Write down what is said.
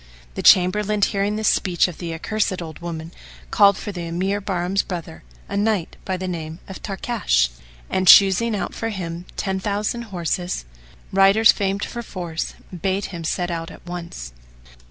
The Chamberlain, hearing this speech of the accursed old woman, called for the Emir Bahram's brother, a knight by name Tarkash; and, choosing out for him ten thousand horse, riders famed for force, bade him set out at once.